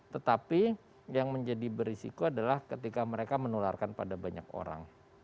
tetapi yang menjadi berisiko adalah ketika mereka menularkan pada banyak orang